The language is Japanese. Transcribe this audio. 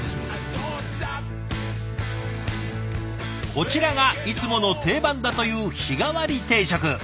こちらがいつもの定番だという日替わり定食。